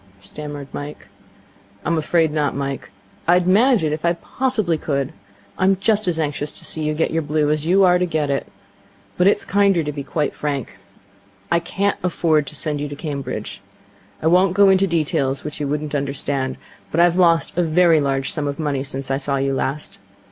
stammered Mike. 'I'm afraid not, Mike. I'd manage it if I possibly could. I'm just as anxious to see you get your Blue as you are to get it. But it's kinder to be quite frank. I can't afford to send you to Cambridge. I won't go into details which you would not understand; but I've lost a very large sum of money since I saw you last.